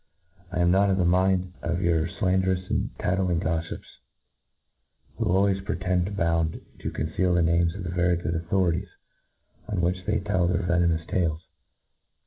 I am not of the mind of your flasdeiJous tattling goffips, who always pretend to be bound to conceal the names of the very good authorities on which they tell their veno mous tales.